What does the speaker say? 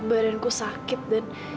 badanku sakit dan